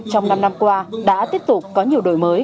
trong năm năm qua đã tiếp tục có nhiều đổi mới